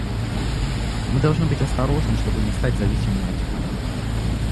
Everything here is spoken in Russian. Мы должны быть осторожны, чтобы не стать зависимыми от технологий.